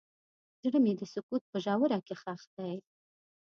زړه مې د سکوت په ژوره کې ښخ دی.